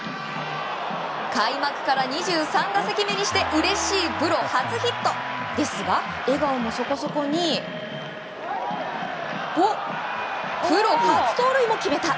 開幕から２３打席目にしてうれしいプロ初ヒットですが、笑顔もそこそこにプロ初盗塁も決めた。